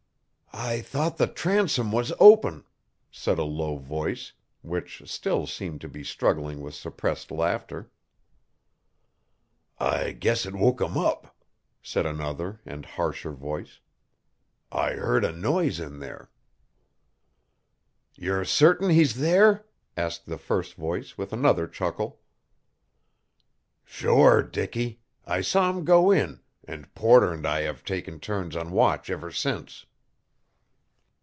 "I thought the transom was open," said a low voice, which still seemed to be struggling with suppressed laughter. "I guess it woke him up," said another and harsher voice. "I heard a noise in there." "You're certain he's there?" asked the first voice with another chuckle. "Sure, Dicky. I saw him go in, and Porter and I have taken turns on watch ever since."